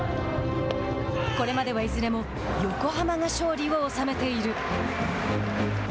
これまではいずれも横浜が勝利を収めている。